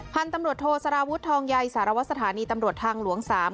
ท่านตำลวดโธสารวุทธองใยศาลวัฒนฐานีตำรวจทางหลวงสาม